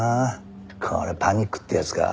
これパニックってやつか？